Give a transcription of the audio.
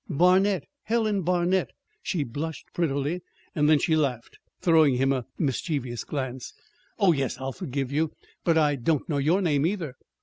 "Barnet Helen Barnet." She blushed prettily; then she laughed, throwing him a mischievous glance. "Oh, yes, I'll forgive you; but I don't know your name, either."